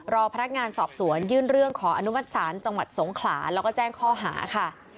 รอพนักงานสอบสวนยื่นเรื่องขออนุมัติศาลจังหวัดสงขลาแล้วก็แจ้งข้อหาค่ะ